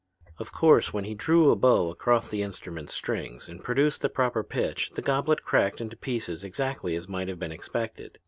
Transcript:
Of course when he drew a bow across the instrument's strings and produced the proper pitch the goblet cracked into pieces exactly as might have been expected.